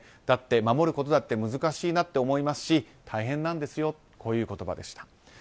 だって守ることだって難しいなって思いますし大変なんですよという言葉でした。